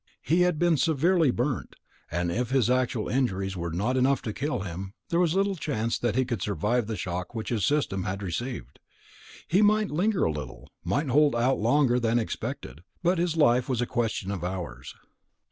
He had been severely burnt; and if his actual injuries were not enough to kill him, there was little chance that he could survive the shock which his system had received. He might linger a little; might hold out longer than they expected; but his life was a question of hours.